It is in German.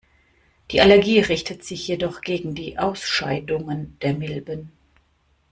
Die Allergie richtet sich jedoch gegen die Ausscheidungen der Milben.